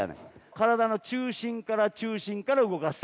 体の中心から中心から動かす。